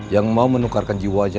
yang mau menukarkan jiwanya